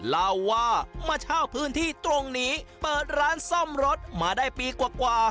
เล่าว่ามาเช่าพื้นที่ตรงนี้เปิดร้านซ่อมรถมาได้ปีกว่า